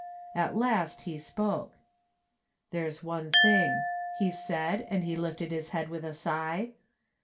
At last he spoke. " There^s one thing," he said, and he lifted his head with a sigh.